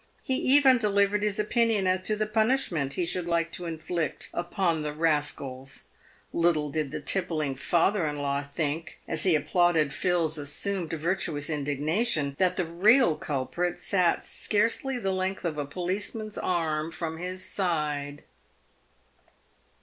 He even delivered his opinion as to the punish ment he should like to inflict upon the rascals. Little did the tippling father in law think, as he applauded Phil's assumed virtuous indigna tion, that the real culprit sat scarcely the length of a policeman's arm from his side.